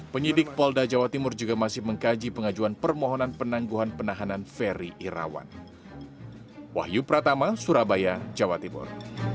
penyidik polda jawa timur juga masih mengkaji pengajuan permohonan penangguhan penahanan ferry irawan